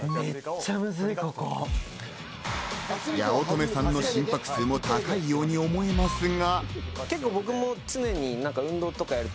八乙女さんの心拍数も高いように思えますが。